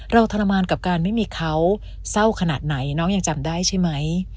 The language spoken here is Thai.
ทรมานกับการไม่มีเขาเศร้าขนาดไหนน้องยังจำได้ใช่ไหม